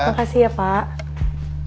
makasih ya pak